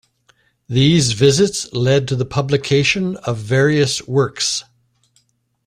These visits led to the publication of various works.